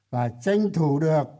và tranh thủ được